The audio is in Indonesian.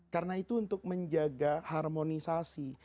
karena itu untuk menjaga harmonisasi